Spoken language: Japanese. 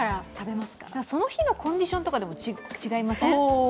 その日のコンディションでも違いません？